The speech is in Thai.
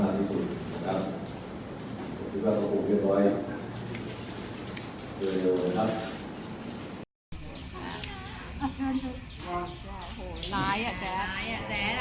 และทดลงในตะษะนักภาพพวกไทยทั้งประเขต